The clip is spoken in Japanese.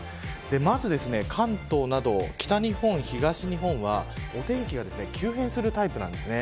まず関東など北日本、東日本はお天気が急変するタイプなんです。